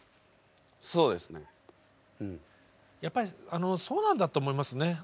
やっぱりあのそうなんだと思いますね。